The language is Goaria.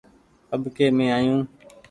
اٻڪي مين آيو ۔